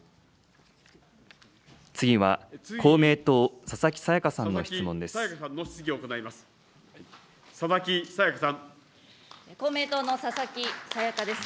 次は公明党、佐々木さやかさんの質問です。